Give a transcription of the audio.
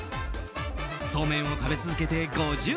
そうめんを食べ続けて５０年。